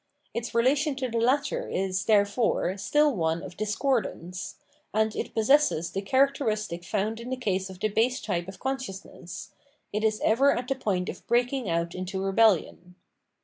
Its relation to the latter is, therefore, still one of discordance ; and it possesses the characteristic found in the case of the base type of consciousness — it is ever at the point of breaking out into rebellion.